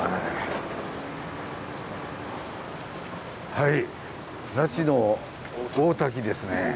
はい那智の大滝ですね。